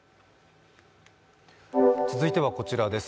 続いてはこちらです。